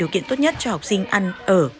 kiện tốt nhất cho học sinh ăn ở